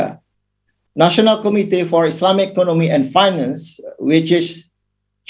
komite nasional untuk ekonomi dan pembangunan islam